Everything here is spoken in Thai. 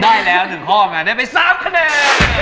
ได้แล้ว๑ข้อมาได้ไป๓คะแนน